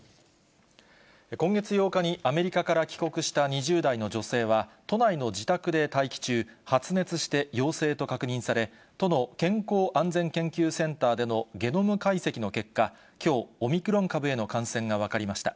今月８日にアメリカから帰国した２０代の女性は、都内の自宅で待機中、発熱して陽性と確認され、都の健康安全研究センターでのゲノム解析の結果、きょう、オミクロン株への感染が分かりました。